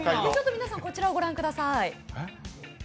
皆さん、こちらをご覧ください。